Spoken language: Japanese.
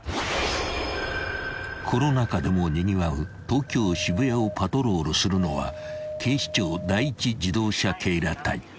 ［コロナ禍でもにぎわう東京渋谷をパトロールするのは警視庁第一自動車警ら隊］